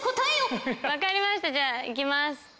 分かりましたじゃあいきます。